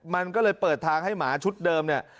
มันก็เลยเปิดทางให้หมาชุดเดิมเนี่ย